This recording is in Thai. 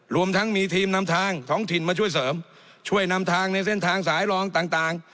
รวมทั้งมีทีมนำทางท้องถิ่นมาช่วยเสริมช่วยนำทางในเส้นทางสายรองต่าง